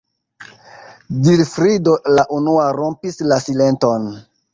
Vilfrido la unua rompis la silenton.